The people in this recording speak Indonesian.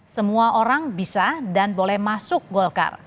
semua orang bisa dan boleh masuk golkar